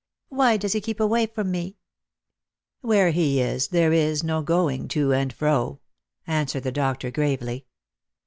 " Why does he keep away from me ?"" Where he is there is no going to and fro," answered the doctor gravely.